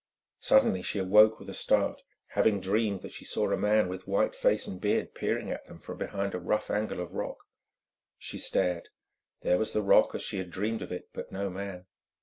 Suddenly she awoke with a start, having dreamed that she saw a man with white face and beard peering at them from behind a rough angle of rock. She stared: there was the rock as she had dreamed of it, but no man.